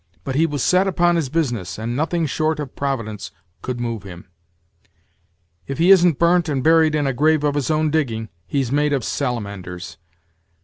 But he was set upon his business, and nothing short of Providence could move him, if he isn't burnt and buried in a grave of his own digging, he's made of salamanders.